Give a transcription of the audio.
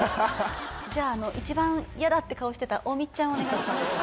じゃあ一番嫌だって顔してた大道ちゃんお願いします